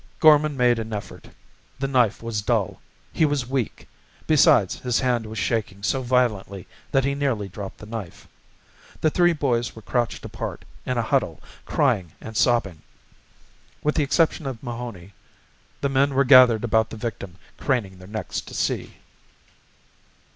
Gorman made an effort. The knife was dull. He was weak. Besides, his hand was shaking so violently that he nearly dropped the knife. The three boys were crouched apart, in a huddle, crying and sobbing. With the exception of Mahoney, the men were gathered about the victim, craning their necks to see.